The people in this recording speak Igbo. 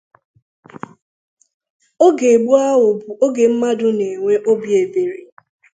Oge gboo ahụ bụ ogè mmadụ na-enwe obi ebere